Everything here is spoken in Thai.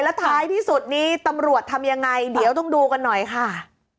แล้วท้ายที่สุดนี้ตำรวจทำยังไงเดี๋ยวต้องดูกันหน่อยค่ะ